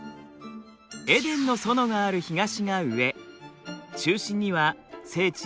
エデンの園がある東が上中心には聖地